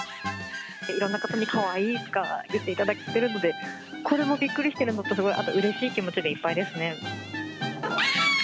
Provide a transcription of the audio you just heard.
いろんな方にかわいいとか言っていただけているので、これもびっくりしているのと、あと、うれしい気持ちでいっぱいですね。